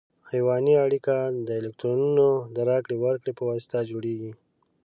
ایوني اړیکه د الکترونونو د راکړې ورکړې په واسطه جوړیږي.